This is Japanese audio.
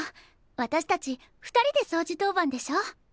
私たち２人でそうじ当番でしょ。